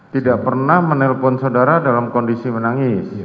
tidak pernah menelpon saudara dalam kondisi menangis